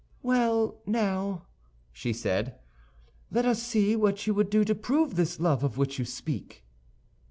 "Well, now," she said, "let us see what you would do to prove this love of which you speak."